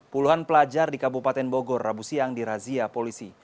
puluhan pelajar di kabupaten bogor rabu siang dirazia polisi